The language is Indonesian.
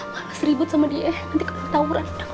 malah seribut sama dia nanti kepentauran